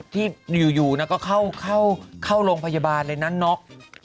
ที่อยู่ก็เข้าโรงพยาบาลเลยนะน็อก